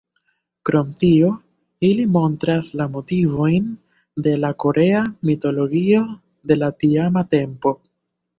Krom tio, ili montras la motivojn de la korea mitologio de la tiama tempo.